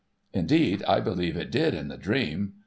Indeed, I believe it did in the dream.